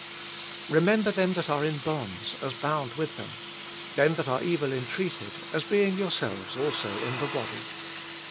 Remember them that are in bonds, as bound with them ; them that are evil entreated, as being yourselves also in the body.